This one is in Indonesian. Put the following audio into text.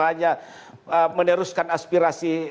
hanya meneruskan aspirasi